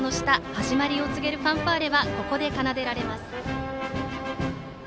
始まりを告げるファンファーレはここで奏でられます。